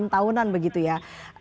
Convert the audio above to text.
enam tahunan begitu ya